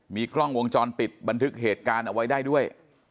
มีกล้องวงจรปิดบันทึกเหตุการณ์เอาไว้ได้ด้วย